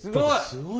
すごい。